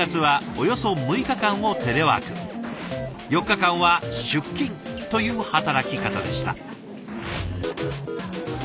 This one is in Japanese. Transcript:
４日間は出勤という働き方でした。